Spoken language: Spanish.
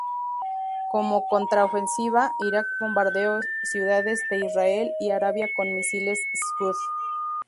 Como contraofensiva, Irak bombardeó ciudades de Israel y Arabia con misiles Scud.